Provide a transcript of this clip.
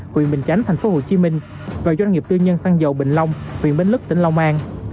huyện bình chánh thành phố hồ chí minh và doanh nghiệp tư nhân xăng dầu bình long huyện bến lức tỉnh long an